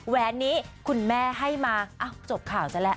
แหวนนี้คุณแม่ให้มาจบข่าวซะแล้ว